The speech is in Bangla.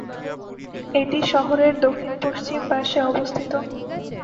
এটি শহরের দক্ষিণপশ্চিম পাশে অবস্থিত।